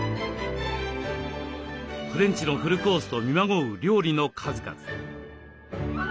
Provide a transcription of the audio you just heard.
フレンチのフルコースと見まごう料理の数々。